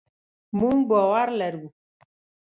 مونږ باور لرو